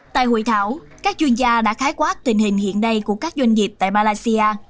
tại hội thảo các chuyên gia đã khái quát tình hình hiện nay của các doanh nghiệp tại malaysia